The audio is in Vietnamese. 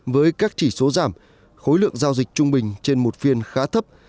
với các chỉ số giảm khối lượng giao dịch trung bình trên một phiên khá thấp